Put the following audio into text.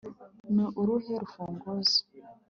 ni uruhe rufunguzo